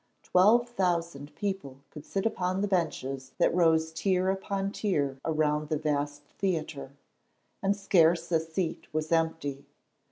Twelve thousand people could sit upon the benches that rose tier upon tier around the vast theatre, and scarce a seat was empty.